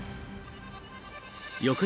翌日。